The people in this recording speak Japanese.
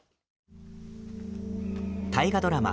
大河ドラマ